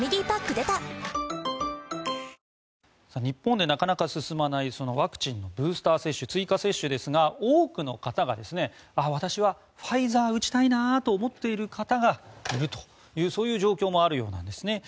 日本でなかなか進まないワクチンのブースター接種追加接種ですが多くの方が私は、ファイザーを打ちたいなと思っている方がいるというそういう状況もあるようです。